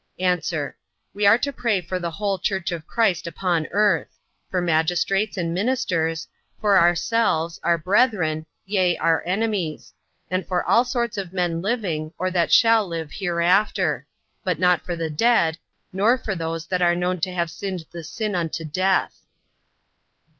A. We are to pray for the whole church of Christ upon earth; for magistrates, and ministers; for ourselves, our brethren, yea, our enemies; and for all sorts of men living, or that shall live hereafter; but not for the dead, nor for those that are known to have sinned the sin unto death.